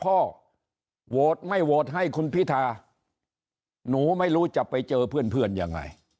โหวตไม่โหวตให้คุณพิธาหนูไม่รู้จะไปเจอเพื่อนยังไง